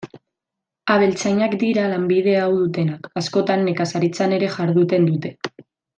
Abeltzainak dira lanbide hau dutenak; askotan, nekazaritzan ere jarduten dute.